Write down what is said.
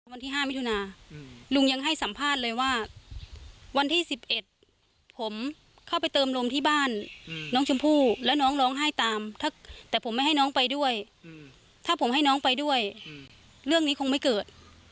วันที่๕มิถุนาลุงยังให้สัมภาษณ์เลยว่าวันที่๑๑ผมเข้าไปเติมลมที่บ้านน้องชมพู่แล้วน้องร้องไห้ตามแต่ผมไม่ให้น้องไปด้วยถ้าผมให้น้องไปด้วยเรื่องนี้คงไม่เกิด